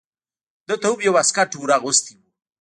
ده ته هم یو واسکټ ور اغوستی و.